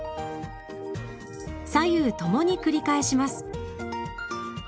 左右ともに繰り返します。